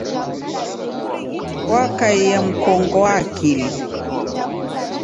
Wakaia mkongo wa akili.